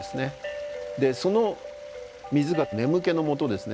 その水が眠気のもとですね。